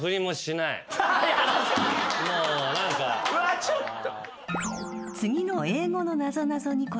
うわちょっと。